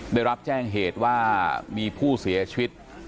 ได้รับแจ้งเหตุว่ามีผู้เสียชีวิต